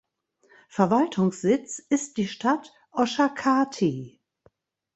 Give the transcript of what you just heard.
Verwaltungssitz ist die Stadt Oshakati.